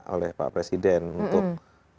oleh pak presiden untuk